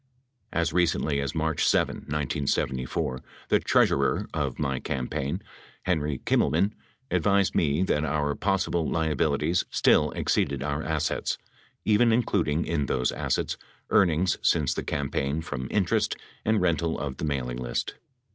As re cently as March 7, 1974, the treasurer of my campaign, Henry Kimmelman, advised me that our possible liabilities still ex ceeded our assets, even including in those assets earnings since the campaign from interest and rental of the mailing list.